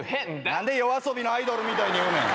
何でＹＯＡＳＯＢＩの『アイドル』みたいに言うねん。